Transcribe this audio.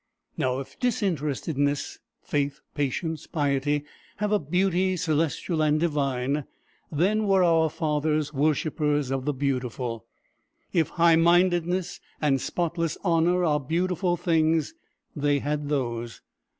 Now, if disinterestedness, faith, patience, piety, have a beauty celestial and divine, then were our fathers worshipers of the beautiful. If high mindedness and spotless honor are beautiful things, they had those.